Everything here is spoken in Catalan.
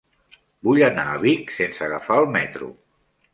Vull anar a Vic sense agafar el metro.